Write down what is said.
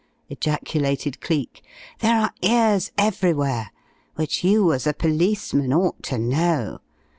ejaculated Cleek. "There are ears everywhere, which you as a policeman ought to know.